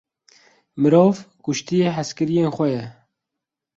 Mirov, kuştiye hezkiriyên xwe ye.